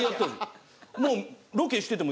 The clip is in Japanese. もう。